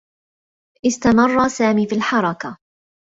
استمرّ سامي في الحركة.